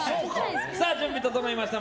準備整いました。